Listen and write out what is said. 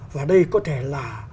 và đây có thể là